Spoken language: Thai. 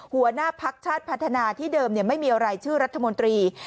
หัวหน้าพักชาติพัฒนาที่เดิมไม่มีรายชื่อรัฐมนตรี